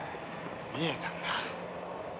「見えたんだ」